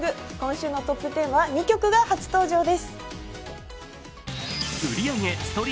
今週のトップ１０は２曲が初登場です。